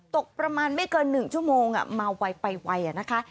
ตกประมาณไม่เกิน๑ชั่วโมงมาไวไปไวนะคะ